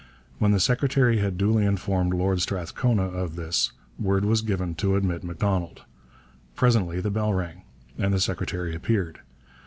When the secretary had duly informed Lord Strathcona of this, word was given to admit M'Donald. Presently the bell rang, and the secretary appeared.